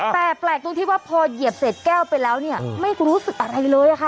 แต่แปลกตรงที่ว่าพอเหยียบเศษแก้วไปแล้วเนี่ยไม่รู้สึกอะไรเลยค่ะ